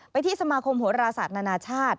ที่สมาคมโหราศาสตร์นานาชาติ